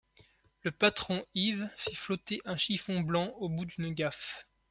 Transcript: Le patron Yves fit flotter un chiffon blanc au bout d'une gaffe.